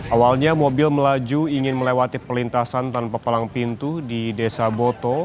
awalnya mobil melaju ingin melewati perlintasan tanpa palang pintu di desa boto